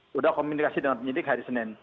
sudah komunikasi dengan penyidik hari senin